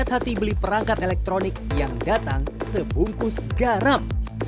hati beli perangkat elektronik yang datang sebungkus garam